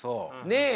ねえ。